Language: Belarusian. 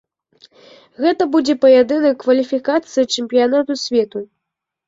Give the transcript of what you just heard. Гэта будзе паядынак кваліфікацыі чэмпіянату свету.